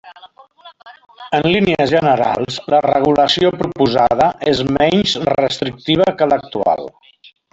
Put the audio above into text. En línies generals la regulació proposada és menys restrictiva que l'actual.